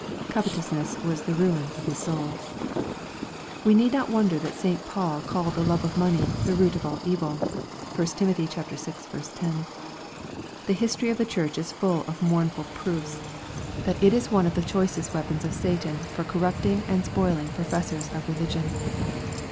Covetousness was the ruin of his souL We need not wonder that St. Paul called the love of money '* the root of all evil." (1 Tim. vi. 10.) The history of the church is full of mournful proofs, that it is one of LUKE, CHAP. xxn. 391 the choicest weapons of Satan for corrupting and spoiling professors of religion.